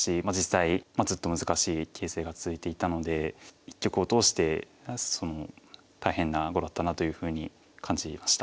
まあ実際ずっと難しい形勢が続いていたので一局を通して大変な碁だったなというふうに感じました。